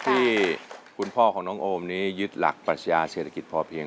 ที่คุณพ่อของน้องโอมนี้ยึดหลักปรัชญาเศรษฐกิจพอเพียง